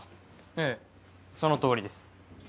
ええそのとおりです。